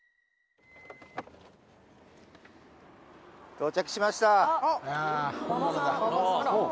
到着しましたさあ